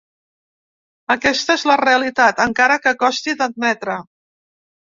Aquesta és la realitat, encara que costi d’admetre.